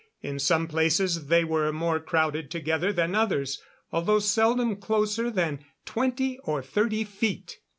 In some places they were more crowded together than others, although seldom closer than twenty or thirty feet.